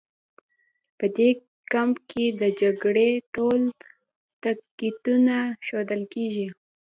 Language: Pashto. په دې کمپ کې د جګړې ټول تکتیکونه ښودل کېدل